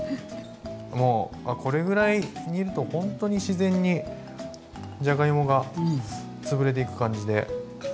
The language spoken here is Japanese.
もうこれぐらい煮るとほんとに自然にじゃがいもがつぶれていく感じで。